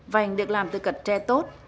vành được làm từ cật tre tốt